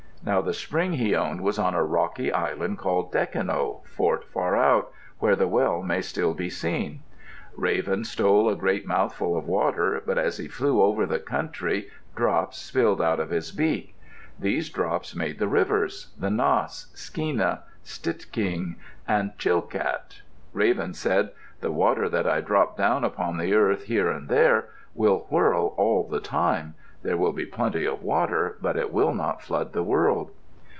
Now the spring he owned was on a rocky island called Dekino, Fort far out, where the well may still be seen. Raven stole a great mouthful of water, but as he flew over the country drops spilled out of his beak. These drops made the rivers: the Nass, Skeena, Stikine, and Chilkat. Raven said, "The water that I drop down upon the earth, here and there, will whirl all the time. There will be plenty of water, but it will not flood the world."